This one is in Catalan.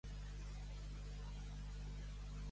Ja passaran els bous per davant de ma casa.